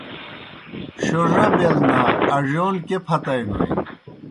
شوڙہ بیْل نا، اڙِیون کیْہ پھتائے نوئے۔